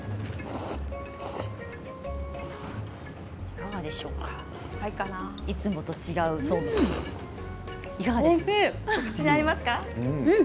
いかがでしょうかいつもと違うそうめん。